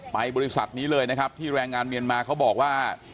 บริษัทนี้เลยนะครับที่แรงงานเมียนมาเขาบอกว่า